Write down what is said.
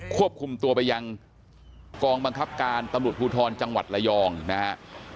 ควบคุมตัวไปยังกองบังคับการตำรวจภูทรจังหวัดระยองนะฮะ